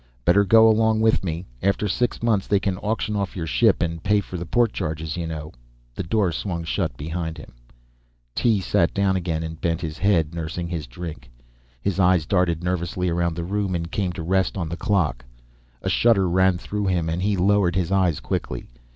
"Better go along with me. After six months they can auction off your ship to pay for the port charges, you know." The door swung shut behind him. Tee sat down again and bent his head, nursing his drink. His eyes darted nervously around the room and came to rest on the clock. A shudder ran through him and he lowered his eyes quickly.